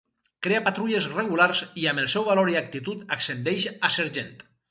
Crea patrulles regulars i amb el seu valor i actitud ascendeix a sergent.